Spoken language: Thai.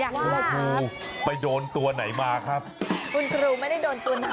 คุณครูไปโดนตัวไหนมาครับคุณครูไม่ได้โดนตัวไหน